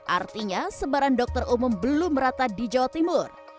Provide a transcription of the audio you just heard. artinya sebaran dokter umum belum merata di jawa timur